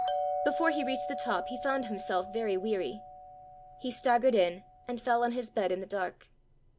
Before he reached the top he found himself very weary. He staggered in, and fell on his bed in the dark.